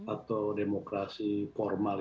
atau demokrasi formal